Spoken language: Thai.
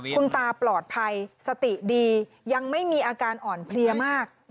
คุณตาปลอดภัยสติดียังไม่มีอาการอ่อนเพลียมาก